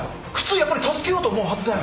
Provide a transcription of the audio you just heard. やっぱり助けようと思うはずだよ。